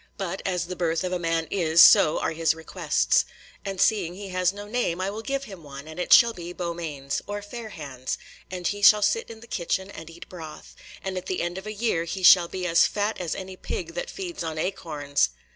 But as the birth of a man is so are his requests. And seeing he has no name I will give him one, and it shall be Beaumains, or Fair hands, and he shall sit in the kitchen and eat broth, and at the end of a year he shall be as fat as any pig that feeds on acorns."